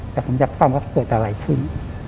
แต่ผมอยากฟังว่าเกิดอะไรขึ้น